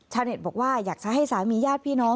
เน็ตบอกว่าอยากจะให้สามีญาติพี่น้อง